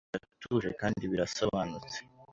Ariko biratuje kandi birasobanutse